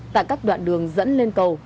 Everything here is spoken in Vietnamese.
tại các đoạn đường dẫn lên cầu